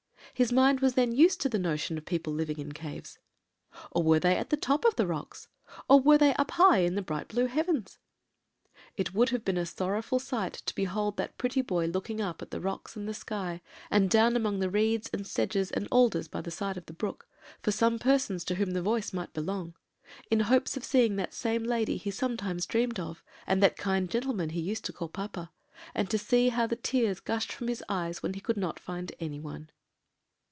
his mind was then used to the notion of people living in caves or were they at the top of the rocks? or were they up high in the blue bright heavens? "It would have been a sorrowful sight to behold that pretty boy looking up at the rocks and the sky, and down among the reeds, and sedges, and alders by the side of the brook, for some persons to whom the voice might belong; in hopes of seeing that same lady he sometimes dreamed of, and that kind gentleman he used to call papa; and to see how the tears gushed from his eyes when he could not find anyone.